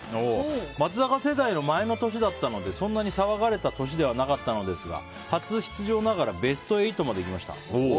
松坂世代の前の年だったのでそんなに騒がれた年ではなかったのですが初出場ながらベスト８まで行きました。